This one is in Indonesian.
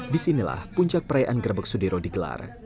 disinilah puncak perayaan grebek sudiro digelar